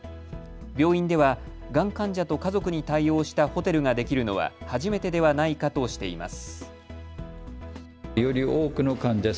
病院では、がん患者と家族に対応したホテルができるのは初めてではないかとしています。